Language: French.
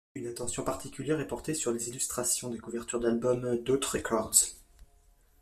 Une attention particulière est portée sur les illustrations des couvertures d'albums d'Aut Records.